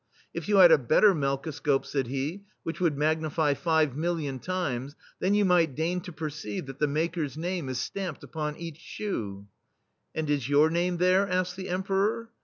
" If you had a better melkoscope," said he, "which would magnify five million times, then you might deign to perceive that the maker*s name is stamped upon each shoe/* "And is your name there?" asked the Emperor.